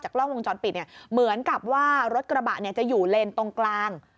เหมือนกับว่ารถกระบะจะอยู่เลนส์ตรงกลาง